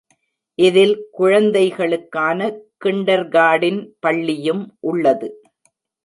இதில் குழந்தைகளுக்கான kinder garden பள்ளியும் உள்ளது.